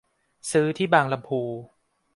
ซื้อที่บางลำภู